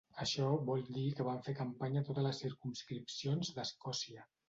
Això vol dir que van fer campanya a totes les circumscripcions d'Escòcia.